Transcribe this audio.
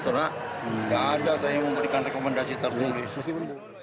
tidak ada saya memberikan rekomendasi tertulis